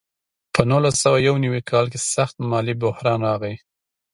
په نولس سوه یو نوي کال کې سخت مالي بحران راغی.